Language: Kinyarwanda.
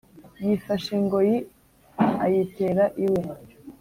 yifashe ingoyi ayi tera iwe